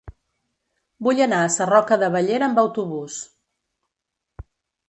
Vull anar a Sarroca de Bellera amb autobús.